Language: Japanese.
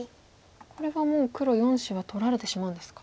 これはもう黒４子は取られてしまうんですか。